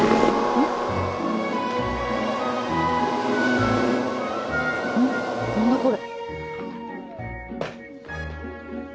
うんっ何だこれ？